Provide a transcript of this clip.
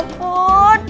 emang adanya gitu pak